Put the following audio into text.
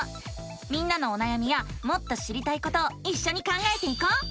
みんなのおなやみやもっと知りたいことをいっしょに考えていこう！